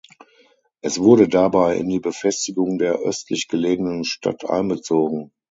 Es wurde dabei in die Befestigung der östlich gelegenen Stadt einbezogen.